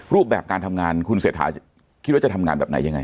รูปแบบการทำงานคุณเศรษฐาคิดว่าจะทำงานแบบไหนยังไง